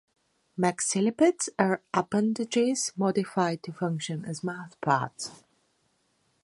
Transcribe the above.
Maxillipeds are appendages modified to function as mouthparts.